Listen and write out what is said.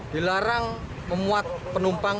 dilarang memuat penumpang